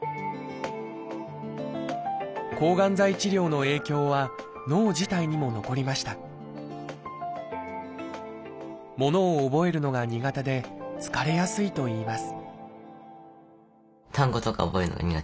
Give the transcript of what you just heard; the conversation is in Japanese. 抗がん剤治療の影響は脳自体にも残りましたものを覚えるのが苦手で疲れやすいといいます